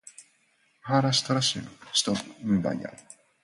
マハーラーシュトラ州の州都はムンバイである